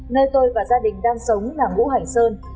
nơi tôi và gia đình đang sống là ngũ hành sơn